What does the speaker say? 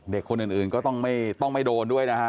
เด็กคนอื่นก็ต้องไม่โดนด้วยนะฮะ